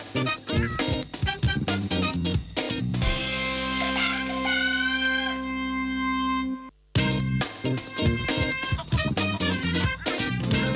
โปรดติดตามตอนต่อไป